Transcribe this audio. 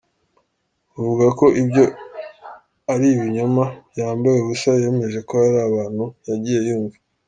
uvuga ko ibyo ari ibinyoma byambaye ubusa yemeje ko hari abantu yagiye yumva.